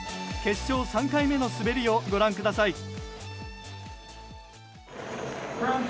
決勝３回目の滑りをご覧ください。